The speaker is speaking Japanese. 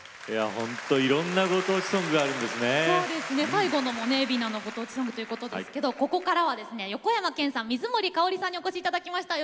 最後のもね海老名のご当地ソングということですけどここからは横山剣さん水森かおりさんにお越し頂きました。